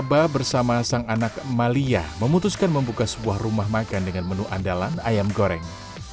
sejak tahun seribu sembilan ratus tujuh puluh enam kera ba bersama sang anak malia memutuskan membuka sebuah rumah makan dengan menu andalan ayam goreng